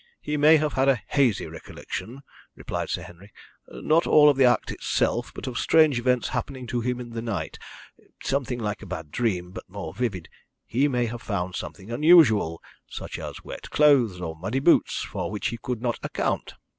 "He may have had a hazy recollection," replied Sir Henry. "Not of the act itself, but of strange events happening to him in the night something like a bad dream, but more vivid. He may have found something unusual such as wet clothes or muddy boots for which he could not account.